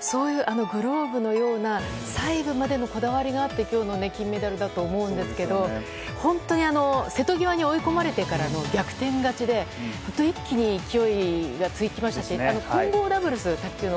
そういうグローブのような細部までのこだわりがあって今日の金メダルだと思うんですけど本当に瀬戸際に追い込まれてからの逆転勝ちで一気に勢いがつきましたし混合ダブルス、卓球の。